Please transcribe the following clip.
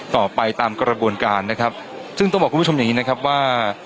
ต่อไปตามกระบวนการนะครับซึ่งต้องบอกคุณผู้ชมอย่างงี้นะครับว่า